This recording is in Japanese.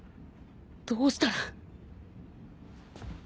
どうしたら